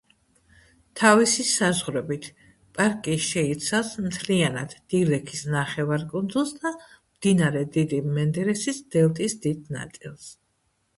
თავისი საზღვრებით, პარკი შეიცავს მთლიანად დილექის ნახევარკუნძულს და მდინარე დიდი მენდერესის დელტის დიდ ნაწილს.